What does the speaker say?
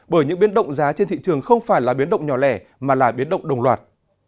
bởi những biến động giá trên thị trường không phải là biến động nhỏ lẻ mà là biến động đồng loạt